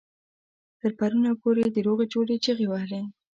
تر پرونه پورې د روغې جوړې چيغې وهلې.